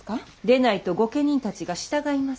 でないと御家人たちが従いません。